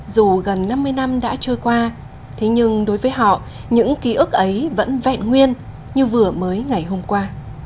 dù gần năm mươi năm đã trôi qua thế nhưng đối với họ những ký ức ấy vẫn vẹn nguyên như vừa mới ngày hôm qua